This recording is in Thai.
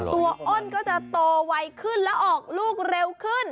อ้นก็จะโตไวขึ้นแล้วออกลูกเร็วขึ้น